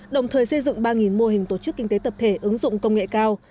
đồng thời xây dựng ba mô hình tổ chức kinh tế tập thể ứng dụng công nghệ cao